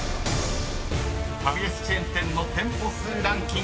［ファミレスチェーン店の店舗数ランキング］